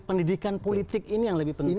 pendidikan politik ini yang lebih penting